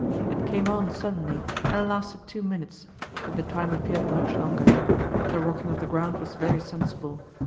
It came on suddenly, and lasted two minutes, but the time appeared much longer. The rocking of the ground was very sensible.